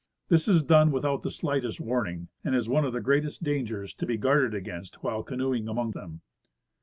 This is done without the slightest warning, and is one of the greatest dangers to be guarded against while canoeing among them.